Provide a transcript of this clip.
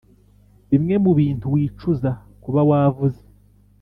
bimwe mubintu wicuza kuba wavuze.